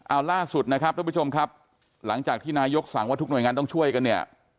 เอาล่าสุดนะครับทุกผู้ชมครับหลังจากที่นายกสั่งว่าทุกหน่วยงานต้องช่วยกันเนี่ย